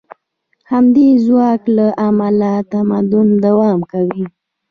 د همدې ځواک له امله تمدن دوام کوي.